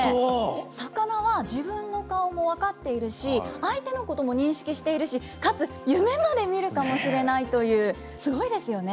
魚は自分の顔も分かっているし、相手のことも認識しているし、かつ夢まで見るかもしれないという、すごいですよね。